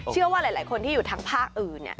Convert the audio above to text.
เชื่อว่าหลายคนที่อยู่ทางภาคอื่น